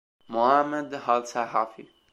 Mohammad Al-Sahafi